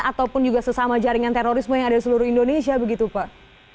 ataupun juga sesama jaringan terorisme yang ada di seluruh indonesia begitu pak